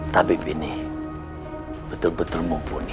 tabib ini betul betul mumpuni